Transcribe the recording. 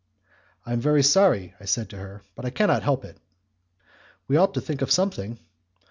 "I am very sorry," I said to her, "but I cannot help it." "We ought to think of something."